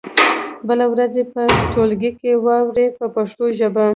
بله ورځ یې په ټولګي کې واورئ په پښتو ژبه.